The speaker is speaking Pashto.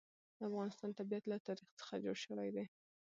د افغانستان طبیعت له تاریخ څخه جوړ شوی دی.